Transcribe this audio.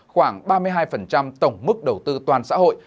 khoảng ba mươi hai tổng mức đầu tư toàn xã hội